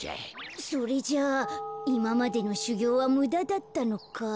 それじゃあいままでのしゅぎょうはむだだったのか。